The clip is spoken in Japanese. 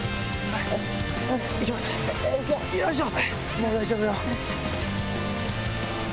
もう大丈夫だよ。